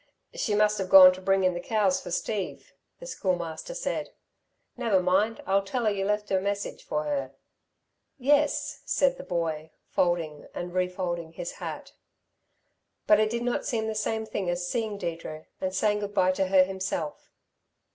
"She must have gone to bring in the cows for Steve," the Schoolmaster said. "Never mind, I'll tell her you left a message for her." "Yes," said the boy, folding and re folding his hat. But it did not seem the same thing as seeing Deirdre and saying good bye to her himself.